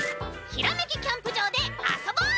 「ひらめきキャンプ場であそぼう！」